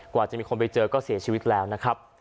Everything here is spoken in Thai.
กว่าจะมีคนไปเจอก็เสียชีวิตแล้วนะครับ